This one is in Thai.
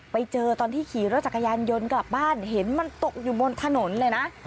ไปเจอตอนที่ขี่รถจักรยานยนต์กลับบ้านเห็นมันตกอยู่บนถนนเลยนะ